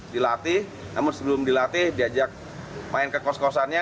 dilatih namun sebelum dilatih diajak main ke kos kosannya